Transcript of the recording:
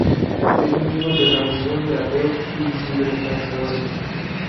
Es miembro de la Unión de Ateos y Librepensadores.